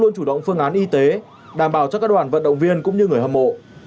luôn chủ động phương án y tế đảm bảo cho các đoàn vận động viên cũng như người hâm mộ